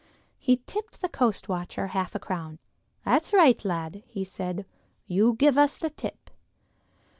He tipped the coast watcher half a crown. "That's right, lad," he said, "you give us the tip."